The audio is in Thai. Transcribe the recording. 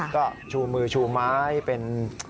ก็ชูมือชูไม้เป็น